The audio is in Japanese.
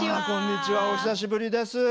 こんにちはお久しぶりです。